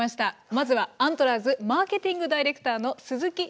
まずはアントラーズマーケティングダイレクターの鈴木秀樹さんです。